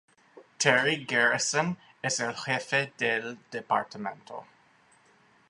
Terry Garrison es el jefe del departamento.